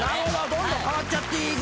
どんどん代わっちゃっていく。